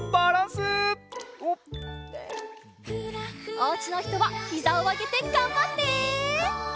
おうちのひとはひざをあげてがんばって！